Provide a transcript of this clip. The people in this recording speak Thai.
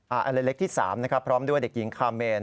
อันเล็กที่๓นะครับพร้อมด้วยเด็กหญิงคาเมน